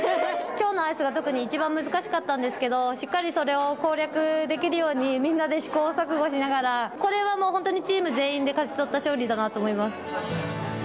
きょうのアイスが特に一番難しかったんですけど、しっかりそれを攻略できるように、みんなで試行錯誤しながら、これはもう本当にチーム全員で勝ち取った勝利だなと思います。